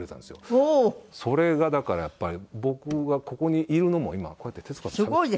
それがだからやっぱり僕がここにいるのも今こうやって徹子さんと。